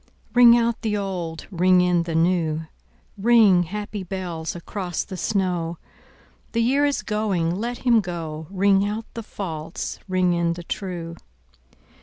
Ring out the old, ring in the new, Ring, happy bells, across the snow: The year is going, let him go; Ring out the false, ring in the true.